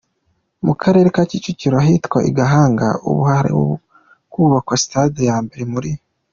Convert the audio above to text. Mu karere ka Kicukiro, ahitwa i Gahanga, ubu hari kubakwa Stade ya mbere muri .